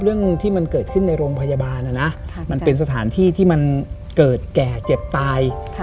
เรื่องที่มันเกิดขึ้นในโรงพยาบาลนะนะมันเป็นสถานที่ที่มันเกิดแก่เจ็บตาย